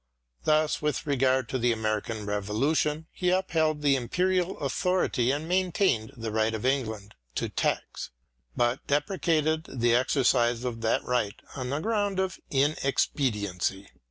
Thus, with regard to the American Revolution, he upheld the imperial authority and maintained the right of England to tax, but deprecated the exercise bf that right on the ground of inexpedi Edmund burke 57 ency.